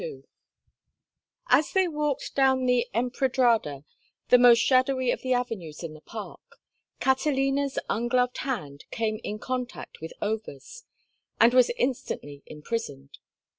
XXII As they walked down the Empedrada, the most shadowy of the avenues in the park, Catalina's ungloved hand came in contact with Over's and was instantly imprisoned.